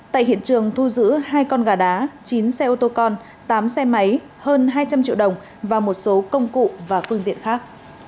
tại hiện trường thu giữ hai con gà đá chín xe ô tô con tám xe máy hơn hai trăm linh triệu đồng và một số công cụ và phương tiện khác